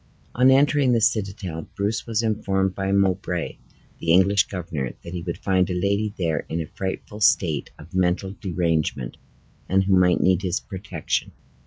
On entering the citadel, Bruce was informed by Mowbray, the English governor, that he would find a lady there in a frightful state of mental derangement, and who might need his protection.